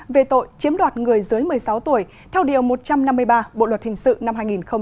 về tội chiếm đoạt người dưới một mươi sáu tuổi theo điều một trăm năm mươi ba bộ luật hình sự năm hai nghìn một mươi năm